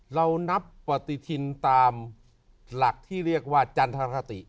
เรานับปฏิทินตามหลักที่เรียกว่าจันทรคติ